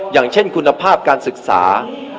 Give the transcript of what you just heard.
อย่างเช่นคุณภาพการศึกษา